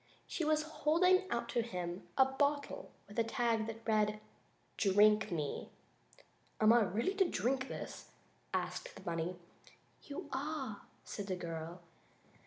She was holding out to him a bottle with a tag that read: "DRINK ME." "Am I really to drink this?" asked the bunny. "You are," said the little girl.